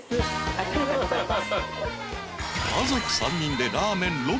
ありがとうございます。